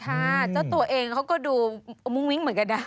เจ้าตัวเองเขาก็ดูมุ้งมิ้งเหมือนกันนะ